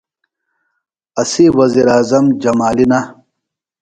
اسی وزیر اعظم جمالی نہ۔